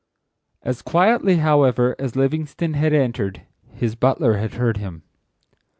As quietly, however, as Livingstone had entered, his butler had heard him.